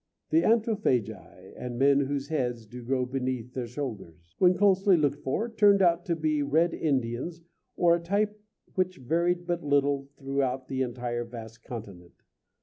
"The Anthropophagi, and men whose heads Do grow beneath their shoulders," when closely looked for, turned out to be Red Indians of a type which varied but little throughout the entire vast continent.